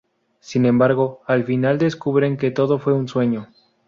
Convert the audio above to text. Sin embargo, al final descubren que todo fue un sueño.